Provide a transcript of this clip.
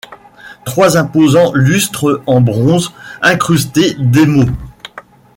Trois imposants lustres en bronze incrustés d'émaux.